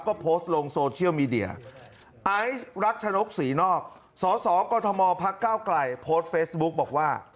ก็โพสต์ลงโซเชียลมีเดียไอซ์รักชนกศรีนอกสสกมพักเก้าไกลโพสต์เฟซบุ๊กบอกว่า